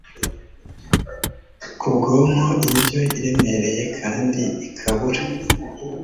ku bwonko Indyo iremereye kandi ikabura